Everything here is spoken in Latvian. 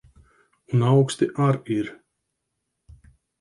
Un auksti ar ir.